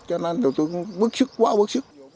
cho nên tụi tôi bức xúc quá bức xúc